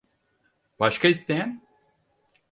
Başka isteyen?